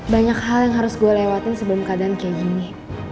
banyak hal yang harus gue lewatin sebelum keadaan kayak gini